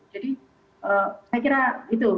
jadi saya kira itu